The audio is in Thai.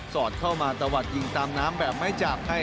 อดเข้ามาตะวัดยิงตามน้ำแบบไม่จากให้